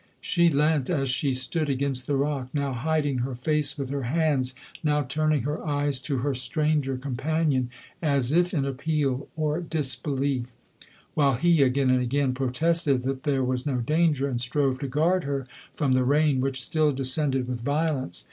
She leant, as she stood, against the rock — now hiding her face 102 LODORE. with her hands — now turning her eyes to her stranger companion, as if in appeal or disbelief; while lie again and again protested that there was no danger, and strove to guard her from the rain, which still descended with violence.